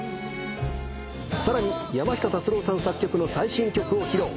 さらに山下達郎さん作曲の最新曲を披露。